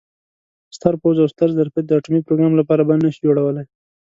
ستر پوځ او ستر ظرفیت د اټومي پروګرام لپاره بند نه شي جوړولای.